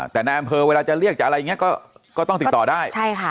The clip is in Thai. แต่ในอำเภอเวลาจะเรียกจะอะไรอย่างนี้ก็ต้องติดต่อได้ใช่ค่ะ